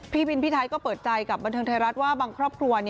พี่บินพี่ไทยก็เปิดใจกับบันเทิงไทยรัฐว่าบางครอบครัว